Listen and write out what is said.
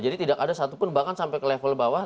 jadi tidak ada satupun bahkan sampai ke level bawah